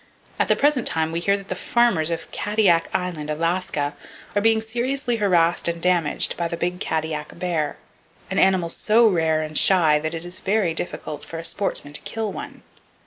At the present time, we hear that the farmers (!) of Kadiak Island, Alaska, are being seriously harassed and damaged by the big Kadiak bear,—an animal so rare and shy that it is very difficult for a sportsman to kill one!